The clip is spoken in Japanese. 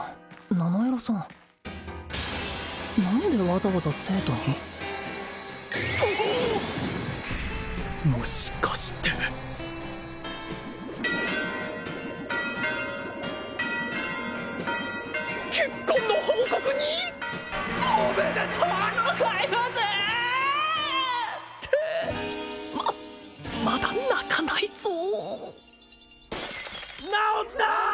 ナナエラさん何でわざわざ聖都にもしかして結婚の報告に！？おめでとうございますってままだ泣かないぞ・治った！